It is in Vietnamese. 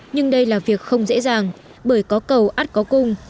nhưng đây là việc không dễ dàng bởi có cầu át có cung